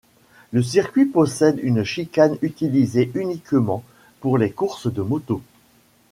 Le circuit possède une chicane utilisée uniquement pour les courses de moto.